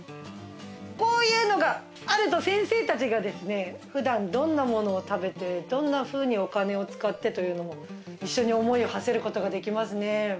こういうのがあると先生たちがふだんどんなものを食べてどんなふうにお金を使ってというのも一緒に思いをはせることができますね。